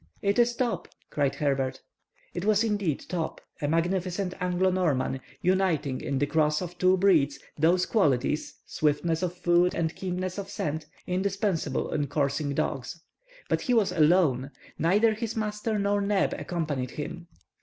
"It is Top!" cried Herbert. It was indeed Top, a magnificent Anglo Norman, uniting in the cross of the two breeds those qualities—swiftness of foot and keenness of scent—indispensable in coursing dogs. But he was alone! Neither his master nor Neb accompanied him.